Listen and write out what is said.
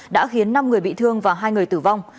đã khiến năm người bị thương và hai người tử vong